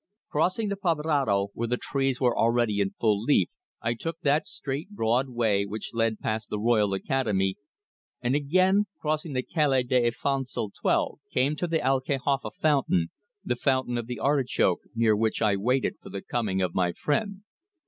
Crossing the Prado, where the trees were already in full leaf, I took that straight broad way which led past the Royal Academy, and again crossing the Calle de Alfonso XII came to the Alcahofa fountain, the Fountain of the Artichoke, near which I waited for the coming of my friend.